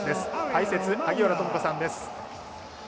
解説、萩原智子さんです。